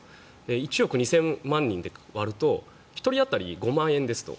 １億２０００万人で割ると１人当たり５万円ですと。